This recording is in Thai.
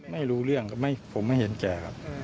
ไม่รู้เรื่องผมไม่เห็นแก่ครับ